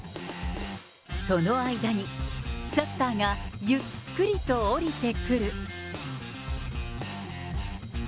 その間に、シャッターがゆっくりとおりてくる。